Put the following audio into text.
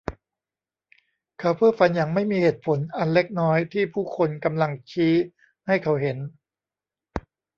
เขาเพ้อฝันอย่างไม่มีเหตุผลอันเล็กน้อยที่ผู้คนกำลังชี้ให้เขาเห็น